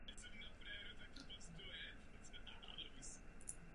Převážná část odpadních látek se ale vylučuje vylučovací soustavou.